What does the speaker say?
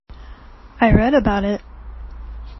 I read about it.